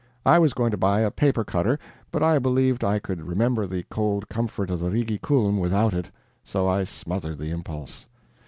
I was going to buy a paper cutter, but I believed I could remember the cold comfort of the Rigi Kulm without it, so I smothered the impulse.